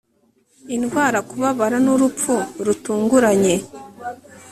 indwara kubabara n urupfu rutunguranye